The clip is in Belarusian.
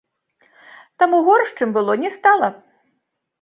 Таму горш, чым было, не стала.